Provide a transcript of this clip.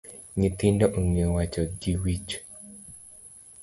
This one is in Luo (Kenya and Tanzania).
Nyithindo ong’eyo wacho gi wich